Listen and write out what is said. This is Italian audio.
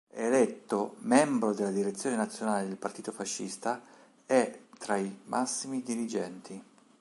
Eletto membro della Direzione nazionale del Partito Fascista è tra i massimi dirigenti.